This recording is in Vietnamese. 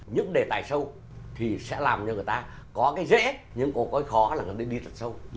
những đề tài sâu thì sẽ làm cho người ta có cái dễ nhưng có cái khó là nó nên đi thật sâu